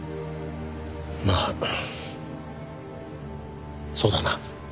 まあそうだな。